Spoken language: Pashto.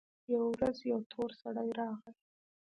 يوه ورځ يو تور سړى راغى.